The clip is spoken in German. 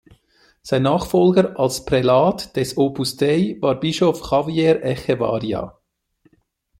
Sein Nachfolger als Prälat des Opus Dei war Bischof Javier Echevarría.